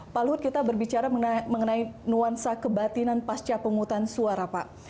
pak luhut kita berbicara mengenai nuansa kebatinan pasca penghutang suara pak